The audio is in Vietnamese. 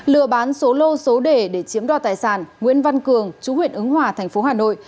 lừa bán số lô số đề để chiếm đo tài sản nguyễn văn cường chú huyện ứng hòa thành phố hà nội